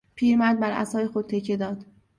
پیر مرد بر عصای خود تکیه داد.